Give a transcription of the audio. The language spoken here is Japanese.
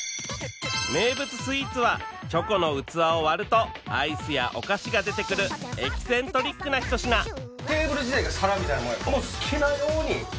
名物スイーツはチョコの器を割るとアイスやお菓子が出てくるエキセントリックなひと品テーブル自体が皿みたいなもんやからもう好きなように。